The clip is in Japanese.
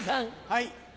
はい。